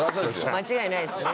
間違いないですね。